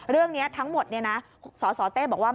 เรื่องนี้ทั้งหมดสสเต้บอกว่า